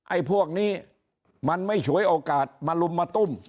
ไอ้พวกนี้มันไม่ฉวยโอกาสมาลุมมาตุ้ม